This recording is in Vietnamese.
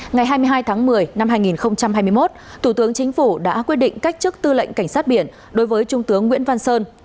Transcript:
ngày hai mươi hai tháng một mươi năm hai nghìn hai mươi một thủ tướng chính phủ đã quyết định cách chức tư lệnh cảnh sát biển đối với trung tướng nguyễn văn sơn